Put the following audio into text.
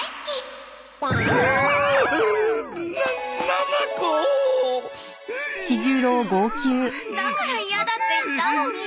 だから嫌だって言ったのに。